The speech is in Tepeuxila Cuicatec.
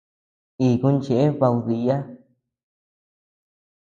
Iku cheʼë baku diiya.